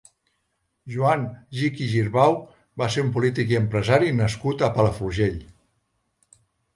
Joan Gich i Girbau va ser un polític i empresari nascut a Palafrugell.